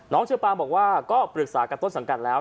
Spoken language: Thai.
เชอปาบอกว่าก็ปรึกษากับต้นสังกัดแล้ว